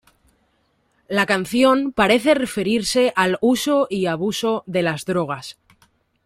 La canción parece referirse al uso y abuso de las drogas.